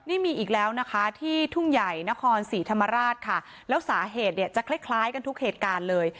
นี่มีอีกแล้วนะคะที่ทุ่งใหญ่นครศรีธรรมราชค่ะแล้วสาเหตุเนี่ยจะคล้ายคล้ายกันทุกเหตุการณ์เลย